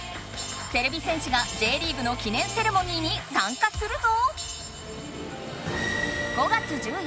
てれび戦士がＪリーグの記念セレモニーに参加するぞ！